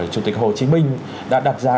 chủ tịch hồ chí minh đã đặt ra